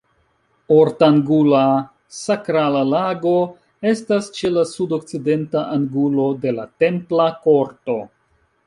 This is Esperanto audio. Ortangula sakrala lago estas ĉe la sud-okcidenta angulo de la templa korto.